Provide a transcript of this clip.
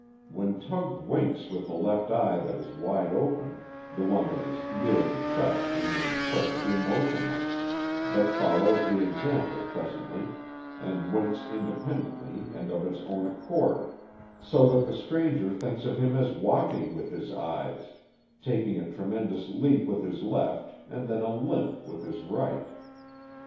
When Tug winks with the eye that is wide open, the one that is nearly shut remains perfectly motionless, but follows the example presently, and winks independently and of its own accord, so that the stranger thinks of him as walking with his eyes, taking a tremendous leap with his left, and then a limp with his right.